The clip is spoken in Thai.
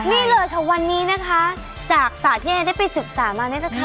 นี่เลยคะวันนี้นะคะจากศาสตร์แห่งได้ไปศึกษามานะจ๊ะค่ะ